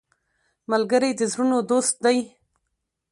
ملګری د زړونو دوست دی